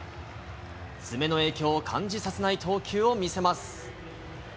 爪の影響を感じさせない投球を見せます。